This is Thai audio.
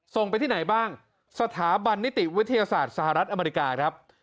ส่งไปที่ไหนบ้างสถาบันนิติวิทยาศาสตร์สหรัฐอเมริกาครับ